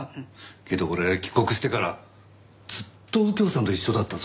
けど俺帰国してからずっと右京さんと一緒だったぞ。